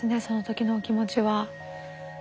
その時のお気持ちは。